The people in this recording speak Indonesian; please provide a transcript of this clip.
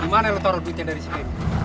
gimana lu taruh duitnya dari sini